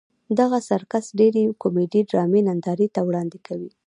دغه سرکس ډېرې کومیډي ډرامې نندارې ته وړاندې کوي.